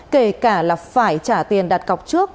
kể cả là phải trả tiền đặt cọc trước